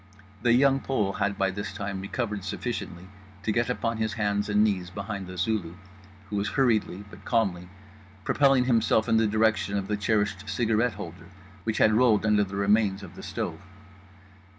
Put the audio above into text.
The Young Pole had by this time recovered sufficiently to get upon his hands and knees behind the Zulu; who was hurriedly but calmly propelling himself in the direction of the cherished cigarette holder, which had rolled under the remains of the stove.